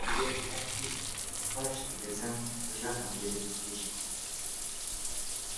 په دې حالت کې په غوږ کې د زنګ غږ اورېدل کېږي.